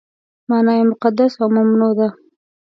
معنا یې مقدس او ممنوع ده.